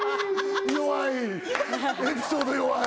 弱い！